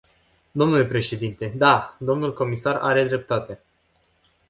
Domnule președinte, da, dl comisar are dreptate.